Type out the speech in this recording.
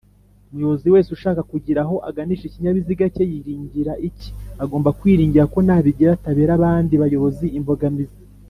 umuyobozi wese ushaka kugira aho aganisha ikinyabiziga cye yiringira ikiagomba kwiringira ko nabigira atabera abandi bayobozi imbogamizi